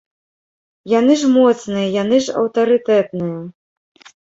Яны ж моцныя, яны ж аўтарытэтныя.